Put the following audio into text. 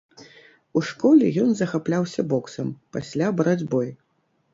У школе ён захапляўся боксам, пасля барацьбой.